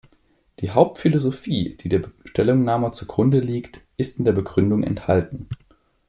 Die Hauptphilosophie, die der Stellungnahme zugrunde liegt, ist in der Begründung enthalten.